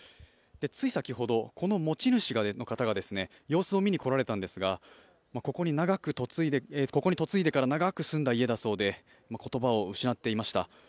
つい先ほど、この持ち主の方が様子を見に来られたんですがここに嫁いでから長く住んだ家だそうで言葉を失っていました。